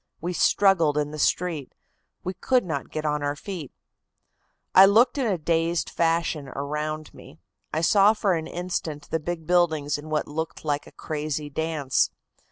We struggled in the street. We could not get on our feet. "I looked in a dazed fashion around me. I saw for an instant the big buildings in what looked like a crazy dance.